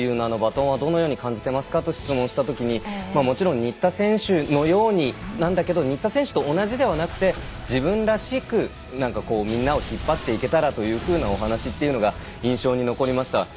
どのように感じていますかといったときにもちろん新田選手のようになんだけど新田選手と同じではなくて自分らしく、みんなを引っ張っていけたらというふうなお話というのが印象に残りました。